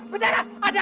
penjahat ada enam